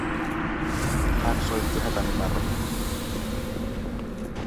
Hän soitti hätänumeroon